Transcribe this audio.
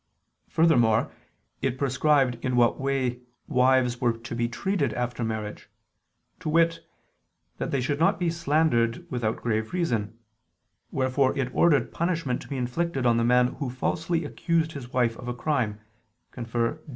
Furthermore it prescribed in what way wives were to be treated after marriage. To wit, that they should not be slandered without grave reason: wherefore it ordered punishment to be inflicted on the man who falsely accused his wife of a crime (Deut.